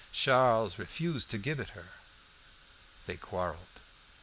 Charles refused to give it her; they quarrelled.